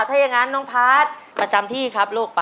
ถ้าอย่างนั้นน้องพาร์ทประจำที่ครับลูก